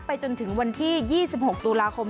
จนถึงวันที่๒๖ตุลาคม